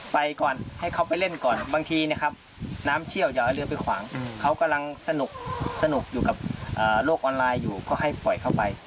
ไปก่อนให้เขาไปเล่นก่อนบางทีนะครับน้ำเชี่ยวอย่าให้เรือไปขวางเขากำลังสนุกอยู่กับโลกออนไลน์อยู่ก็ให้ปล่อยเข้าไป